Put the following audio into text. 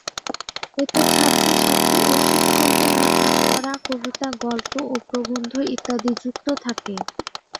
এতে ছাত্র-ছাত্রী এবং শিক্ষকদের লিখা ছড়া, কবিতা, গল্গ ও প্রবন্ধ ইত্যাদি যুক্ত থাকে।